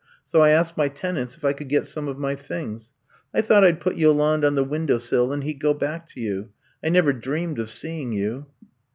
So I asked my tenants if I could get some of my things. 1 thought I ^d put Yolande on the window sill and he 'd go back to you. I never dreamed of seeing you.'